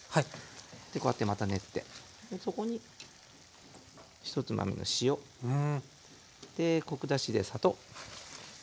でこうやってまた練ってそこにひとつまみの塩。でコク出しで砂糖。